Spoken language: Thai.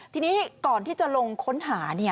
ทีนี้ก่อนที่จะลงค้นหา